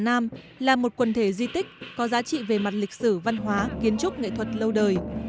hà nam là một quần thể di tích có giá trị về mặt lịch sử văn hóa kiến trúc nghệ thuật lâu đời